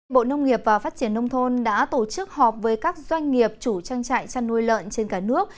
bộ nông nghiệp và phát triển nông thôn đã tổ chức họp với các doanh nghiệp chủ trang trại chăn nuôi lợn trên cả nước